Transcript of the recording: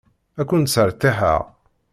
Ad ken-sseṛtiḥeɣ.